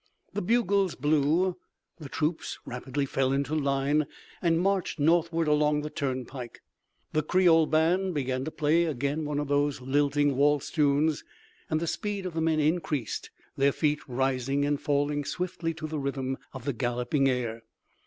The bugles blew, the troops rapidly fell into line and marched northward along the turnpike, the Creole band began to play again one of those lilting waltz tunes, and the speed of the men increased, their feet rising and falling swiftly to the rhythm of the galloping air.